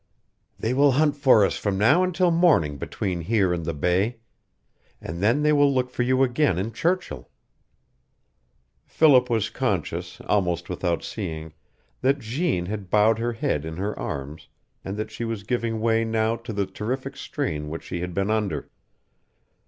"They will hunt for us from now until morning between here and the Bay. And then they will look for you again in Churchill." Philip was conscious, almost without seeing, that Jeanne had bowed her head in her arms and that she was giving way now to the terrific strain which she had been under.